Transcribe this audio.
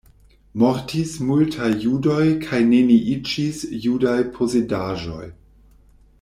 Mortis multaj judoj kaj neniiĝis judaj posedaĵoj.